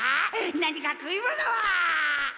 何か食い物は？